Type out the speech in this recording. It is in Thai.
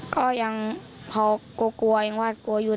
ก็ยังพอกลัวยังว่ากลัวอยู่